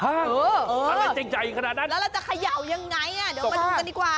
อะไรจะใหญ่ขนาดนั้นแล้วเราจะเขย่ายังไงอ่ะเดี๋ยวมาดูกันดีกว่า